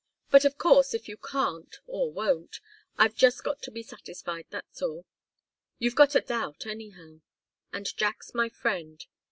But of course, if you can't, or won't, I've just got to be satisfied, that's all. You've got a doubt, anyhow. And Jack's my friend.